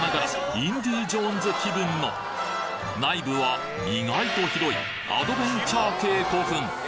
『インディ・ジョーンズ』気分の内部は意外と広いアドベンチャー系古墳